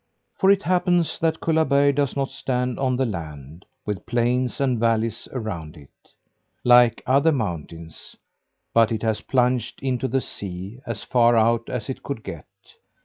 For it happens that Kullaberg does not stand on the land, with plains and valleys around it, like other mountains; but it has plunged into the sea, as far out as it could get.